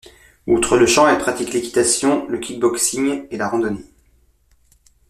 Outre le chant, elle pratique l'équitation, le kickboxing et la randonnée.